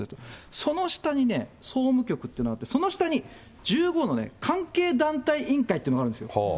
その下にね、総務局っていうのあって、その下に１５の関係団体委員会というのがあるんですよ。